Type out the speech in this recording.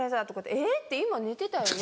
「えっ今寝てたよね？」